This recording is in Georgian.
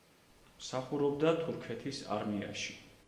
მსახურობდა თურქეთის არმიაში.